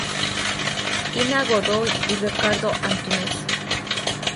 Ina Godoy y Ricardo Antúnez.